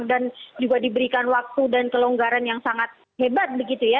dan juga diberikan waktu dan kelonggaran yang sangat hebat begitu ya